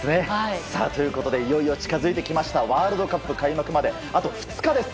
ということでいよいよ近づいてきましたワールドカップの開幕まで、あと２日です。